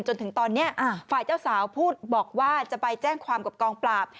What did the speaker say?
จนถึงตอนนี้ฝ่ายเจ้าสาวพูดบอกว่าจะไปแจ้งความกับกองปราบ